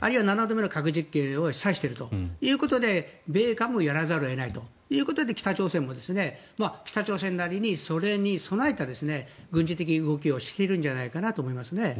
あるいは７度目の核実験を示唆しているということで米韓もやらざるを得ないということで北朝鮮も北朝鮮なりにそれに備えた軍事的動きをしているんじゃないかなと思いますね。